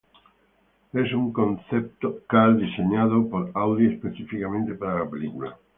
Es un concept car diseñado por Audi específicamente para la película.